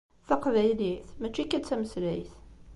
Taqbaylit, mačči kan d tameslayt.